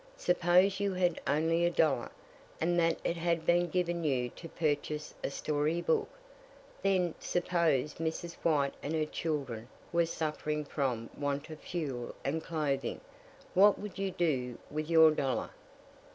Suppose you had only a dollar, and that it had been given you to purchase a story book. Then, suppose Mrs. White and her children were suffering from want of fuel and clothing. What would you do with your dollar?"